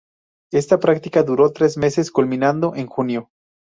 Esta práctica duró tres meses, culminando en junio.